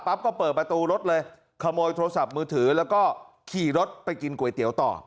ก็เปิดประตูรถเลยขโมยโทรศัพท์มือถือแล้วก็ขี่รถไปกินก๋วยเตี๋ยวต่อ